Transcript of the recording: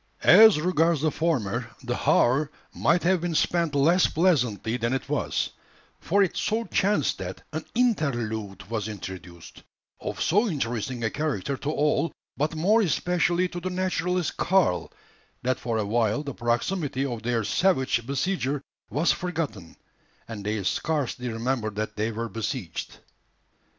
As regards the former, the hour might have been spent less pleasantly than it was; for it so chanced that an interlude was introduced, of so interesting a character to all, but more especially to the naturalist Karl, that for a while the proximity of their savage besieger was forgotten, and they scarcely remembered that they were besieged.